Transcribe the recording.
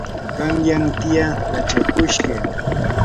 qanyan tiyaa wachakushqam.